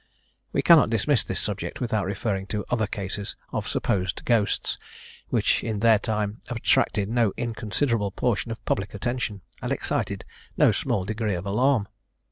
We cannot dismiss this subject without referring to other cases of supposed ghosts, which in their time attracted no inconsiderable portion of public attention, and excited no small degree of alarm.